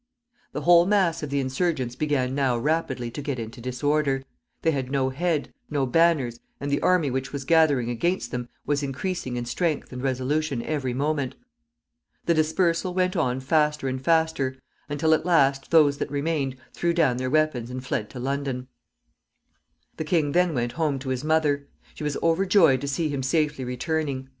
The whole mass of the insurgents began now rapidly to get into disorder. They had no head, no banners, and the army which was gathering against them was increasing in strength and resolution every moment. The dispersal went on faster and faster, until at last those that remained threw down their weapons and fled to London. The king then went home to his mother. She was overjoyed to see him safely returning.